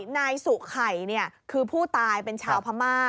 นายสุไข่คือผู้ตายเป็นชาวพม่า